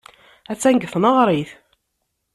Attan deg tneɣrit.